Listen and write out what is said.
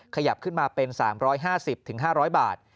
ขยับขึ้นมาเป็น๓๕๐๕๐๐บาท